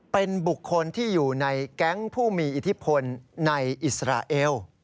เป็นบุคคลที่อยู่ในแก๊งผู้มีอิทธิพลในอิสราเอล